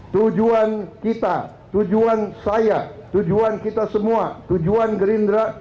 tujuan kita tujuan saya tujuan kita semua tujuan gerindra